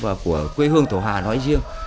và của quê hương thổ hà nói riêng